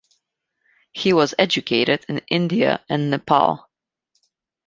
He was educated in India and Nepal.